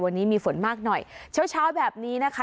วันนี้มีฝนมากหน่อยเช้าเช้าแบบนี้นะคะ